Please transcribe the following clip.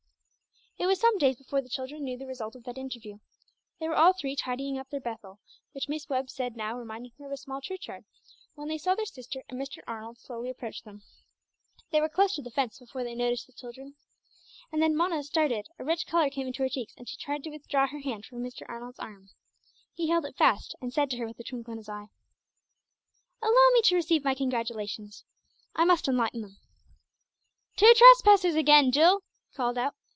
It was some days before the children knew the result of that interview. They were all three tidying up their "Bethel," which Miss Webb said now reminded her of a small church yard, when they saw their sister and Mr. Arnold slowly approach them. They were close to the fence before they noticed the children, then Mona started, a rich colour came into her cheeks and she tried to withdraw her hand from Mr. Arnold's arm. He held it fast, and said to her with a twinkle in his eye "Allow me to receive my congratulations. I must enlighten them." "Two trespassers again, Jill!" he called out.